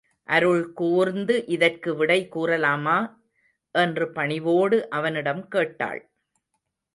அருள் கூர்ந்து இதற்கு விடை கூறலமா? என்று பணிவோடு அவனிடம் கேட்டாள்.